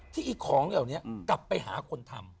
ที่อีกของแบบนี้กลับไปหาคนทำ